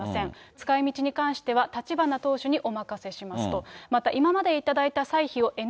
使いみちに関しては、立花党首にお任せしますと。